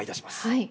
はい。